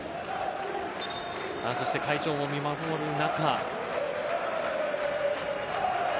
そして会長も見守る中。